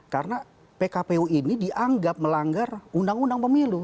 karena pkpu ini dianggap melanggar undang undang pemilu